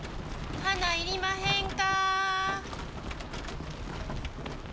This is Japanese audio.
花いりまへんか？